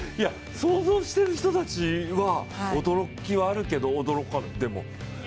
想像している人たちは、驚きはあるけど、驚かない。